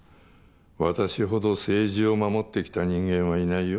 私ほど政治を守ってきた人間はいないよ。